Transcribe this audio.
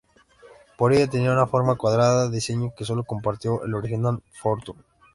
Por ello tenía una forma cuadrada, diseño que sólo compartió el original Fortune.